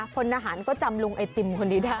พนให้ก็กลับลูงไอติมพวกนี้ได้